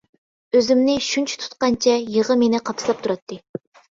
ئۆزۈمنى شۇنچە تۇتقانچە يىغا مېنى قاپساپ تۇراتتى.